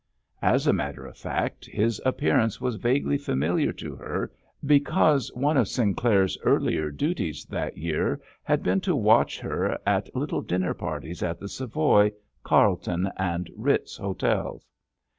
As a matter of fact, his appearance was vaguely familiar to her because one of Sinclair's earlier duties that year had been to watch her at little dinner parties at the Savoy, Carlton and Ritz Hotels.